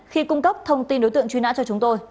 khi cung cấp thông tin đối tượng truy nã cho chúng tôi